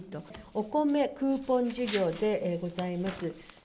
おこめクーポン事業でございます。